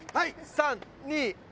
３２１。